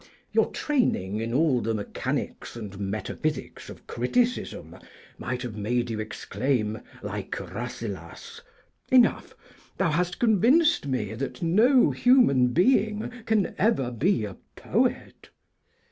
Your training in all the mechanics and metaphysics of criticism might have made you exclaim, like Rasselas, 'Enough! Thou hast convinced me that no human being can ever be a Poet.'